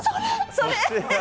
それ？